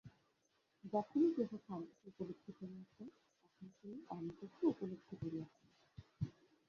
যখনই কেহ সান্তকে উপলব্ধি করিয়াছেন, তখনই তিনি অনন্তকেও উপলব্ধি করিয়াছেন।